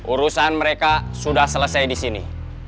urusan mereka sudah selesai di sini